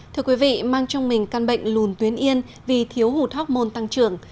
thưa quý vị mang trong mình căn bệnh lùn tuyến yên vì thiếu hụt hóc môn tăng trưởng